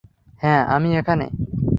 হ্যাঁ, আমি এখানে।